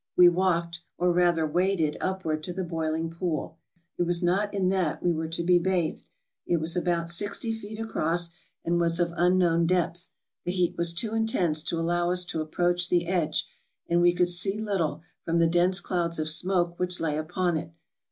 We walked, or rather waded, upward to the boil ing pool ; it was not in that we were to be bathed. It was about sixty feet across, and was of unknown depth. The heat was too intense to allow us to approach the edge, and we could see little, from the dense clouds of smoke which lay upon it.